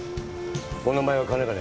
お名前はかねがね。